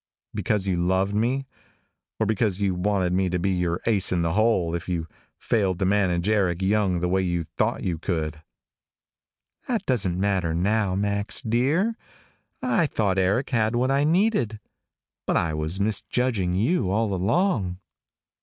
"Because you loved me? Or because you wanted me to be your ace in the hole, if you failed to manage Eric Young the way you thought you could?" "That doesn't matter now, Max, dear. I thought Eric had what I needed. But I was misjudging you all along."